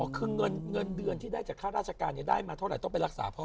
คือเงินเดือนที่ได้จากค่าราชการได้มาเท่าไหร่ต้องไปรักษาพ่อ